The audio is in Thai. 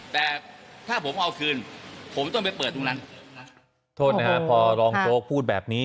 แต่ถ้าผมเอาคืนผมต้องไปเปิดตรงนั้นโทษนะฮะพอรองโจ๊กพูดแบบนี้